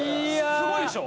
「すごいでしょ？」